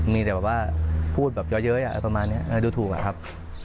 มีแต่แบบว่าพูดแบบเยอะอะไรประมาณนี้ดูถูกอะครับ